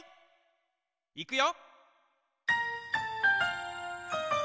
いくよ！